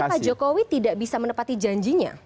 tapi pak jokowi tidak bisa menepati janjinya